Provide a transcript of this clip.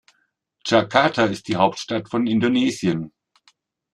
Jakarta ist die Hauptstadt von Indonesien.